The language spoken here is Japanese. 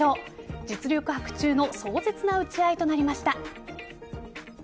実力伯仲の壮絶な打ち合いとなりました。